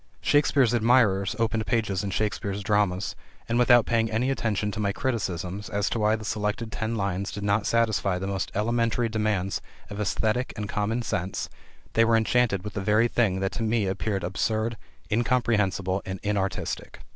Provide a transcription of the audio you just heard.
Shakespeare's admirers opened pages in Shakespeare's dramas, and without paying any attention to my criticisms as to why the selected ten lines did not satisfy the most elementary demands of esthetic and common sense, they were enchanted with the very thing which to me appeared absurd, incomprehensible, and inartistic.